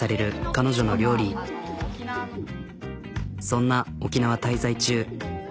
そんな沖縄滞在中。